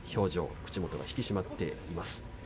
口元が引き締まっています。